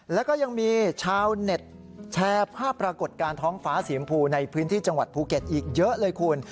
แล้วก็ยังมีชาวเน็ตแชร์ภาพปรากฏการณ์ท้องฟ้าสีชมพูในพื้นที่จังหวัดภูเก็ตอีกเยอะเลยคุณ